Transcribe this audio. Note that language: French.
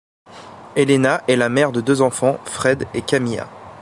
Helena est la mère de deux enfants, Fred et Camilla.